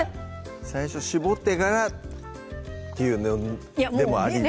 最初搾ってからっていうのでもいや